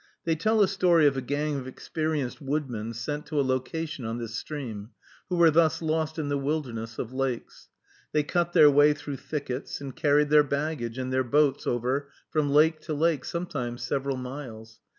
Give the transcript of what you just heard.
They tell a story of a gang of experienced woodmen sent to a location on this stream, who were thus lost in the wilderness of lakes. They cut their way through thickets, and carried their baggage and their boats over from lake to lake, sometimes several miles.